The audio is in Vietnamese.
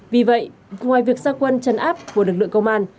vì vậy ngoài việc gia quân chấn áp của lực lượng công an